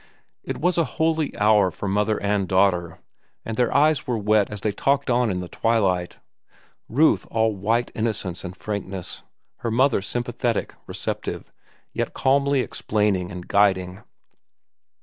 It was a holy hour for mother and daughter, and their eyes were wet as they talked on in the twilight, Ruth all white innocence and frankness, her mother sympathetic, receptive, yet calmly explaining and guiding.